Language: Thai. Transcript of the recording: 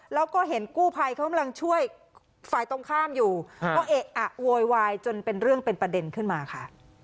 แล้วก็เห็นกู้ภัยเขากำลังช่วยฝ่ายตรงข้ามอยู่ก็เอะอะโวยวายจนเป็นเรื่องเป็นประเด็นขึ้นมาค่ะ